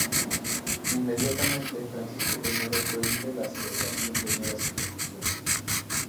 Inmediatamente, Francisco I prohíbe la celebración de nuevas ejecuciones.